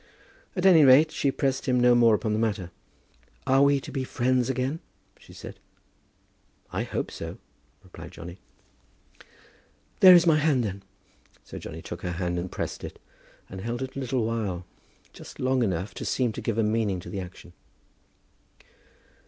At any rate, she pressed him no more upon the matter. "Are we to be friends again?" she said. "I hope so," replied Johnny. "There is my hand, then." So Johnny took her hand and pressed it, and held it a little while, just long enough to seem to give a meaning to the action.